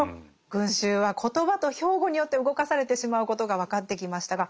群衆は言葉と標語によって動かされてしまうことがわかってきましたが